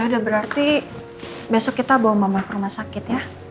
udah berarti besok kita bawa mama ke rumah sakit ya